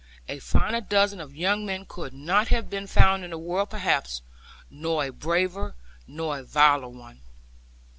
A finer dozen of young men could not have been found in the world perhaps, nor a braver, nor a viler one.